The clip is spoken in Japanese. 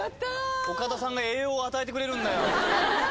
岡田さんが栄養を与えてくれるんだよ。